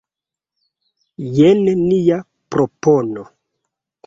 Jen nia propono.